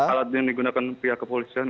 alat yang digunakan pihak kepolisian